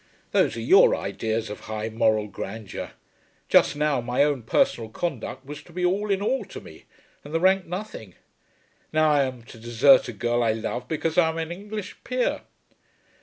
"Those are your ideas of high moral grandeur! Just now my own personal conduct was to be all in all to me, and the rank nothing. Now I am to desert a girl I love because I am an English peer."